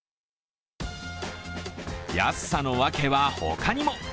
安さのわけは他にも。